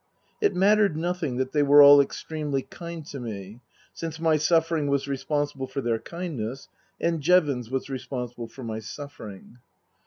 It mattered nothing that they were all extremely kind to me, since my suffering was responsible for their kindness and Jevons was responsible for my suffering.